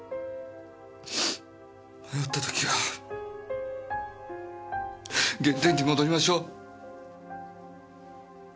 迷った時は原点に戻りましょう。